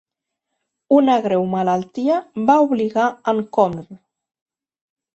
Una greu malaltia va obligar en Comdr.